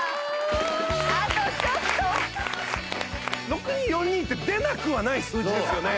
６２４２って出なくはない数字ですよね。